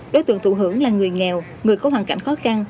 đối tượng thụ hưởng là người nghèo người có hoàn cảnh khó khăn